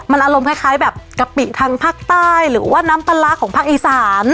อารมณ์คล้ายแบบกะปิทางภาคใต้หรือว่าน้ำปลาร้าของภาคอีสาน